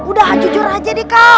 udah jujur aja deh kak